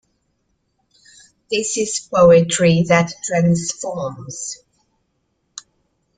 This is poetry that transforms.